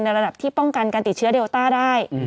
ระดับที่ป้องกันการติดเชื้อเดลต้าได้